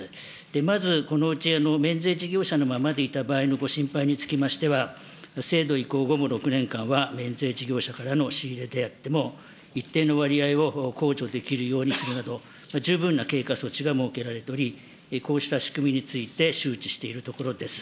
まずこのうち免税事業者のままでいた場合のご心配につきましては、制度移行後も６年間は、免税事業者からの仕入れであっても、一定の割合を控除できるようにするなど、十分な経過措置が設けられており、こうした仕組みについて周知しているところです。